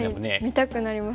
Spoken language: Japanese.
見たくなります。